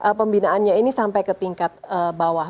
bagaimana pembinaannya ini sampai ke tingkat bawah